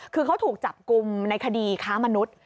คือเขาถูกจับกลุ่มในคดีค้ามนุษย์